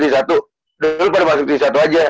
dulu pada masuk ke tujuh puluh satu aja